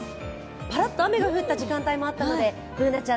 ぱらっと雨が降った時間帯もあったので、Ｂｏｏｎａちゃん